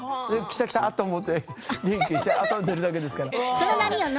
きたきたと思って電気を消して寝るだけですから。